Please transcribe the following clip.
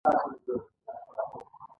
سړک د موټرونو کور ګڼل کېږي.